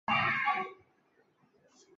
于苍梧县梨埠镇料口村以南汇入东安江。